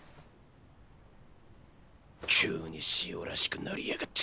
急にしおらしくなりやがって。